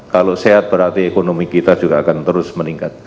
kalau sehat berarti ekonomi kita juga akan terus meningkat